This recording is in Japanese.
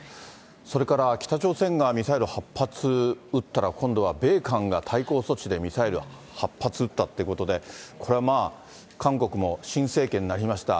それから北朝鮮がミサイル８発撃ったら、今度は米韓が対抗措置でミサイル８発撃ったということで、これはまあ、韓国も新政権になりました。